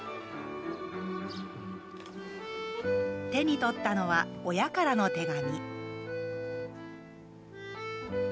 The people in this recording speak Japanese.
手に取ったのは、親からの手紙。